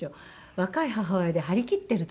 若い母親で張り切っている時。